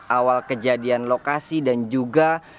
awal kejadian lokasi dan kemudian kembali ke rumah pegi